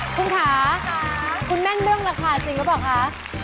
คุณค่ะคุณแม่นเรื่องราคาจริงหรือเปล่าคะ